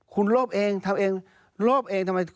คุณโลภเองทำเองโลภเองทำไม